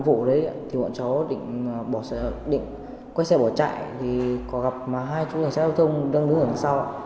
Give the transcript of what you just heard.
trong vụ đấy thì bọn cháu định quay xe bỏ chạy thì có gặp hai chú ngành xe giao thông đang đứng ở phía sau